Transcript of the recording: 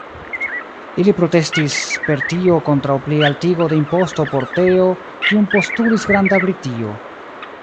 Ili protestis per tio kontraŭ plialtigo de imposto por teo, kiun postulis Granda Britio.